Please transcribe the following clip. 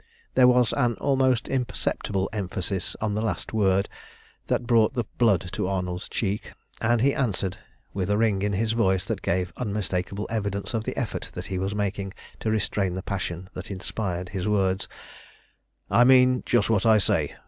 There was an almost imperceptible emphasis on the last word that brought the blood to Arnold's cheek, and he answered, with a ring in his voice that gave unmistakable evidence of the effort that he was making to restrain the passion that inspired his words "I mean just what I say.